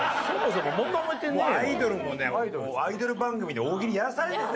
もうアイドルもねアイドル番組で大喜利やらされるよね